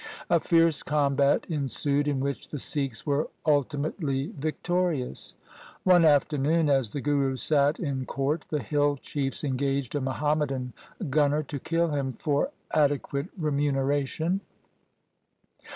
A fierce combat ensued in which the Sikhs were ultimately victorious One afternoon as the Guru sat in court the hill chiefs engaged a Muhammadan gunner to kill him for adequate remuneration.